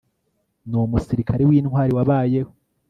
Ni umusirikare wintwari wabayeho